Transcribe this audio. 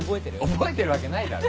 覚えてるわけないだろ。